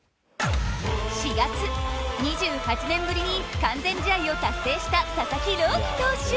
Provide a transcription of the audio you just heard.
４月２８年ぶりに完全試合を達成した佐々木朗希投手。